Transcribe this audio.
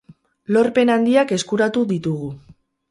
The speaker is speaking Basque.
Lorpen handiak eskuratu dutugu.